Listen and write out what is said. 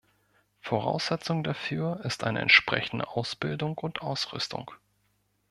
Voraussetzung dafür ist eine entsprechende Ausbildung und Ausrüstung.